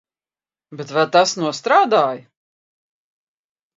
Bet vai tas nostrādāja?